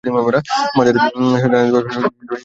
মাঝারি সারির ডানহাতি ব্যাটসম্যান হিসেবে খেলে থাকেন।